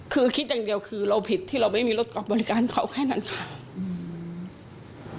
คือคิดอย่างเดียวคือเราผิดที่เราไม่มีรถออกบริการเขาแค่นั้นค่ะอืม